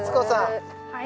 はい。